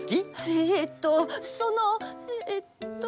えとそのえっと。